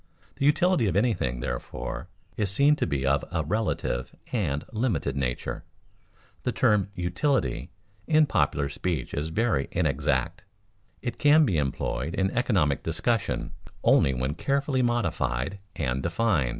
The utility of anything, therefore, is seen to be of a relative and limited nature. The term "utility" in popular speech is very inexact. It can be employed in economic discussion only when carefully modified and defined.